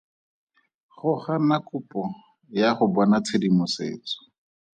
Go gana kopo ya go bona tshedimosetso.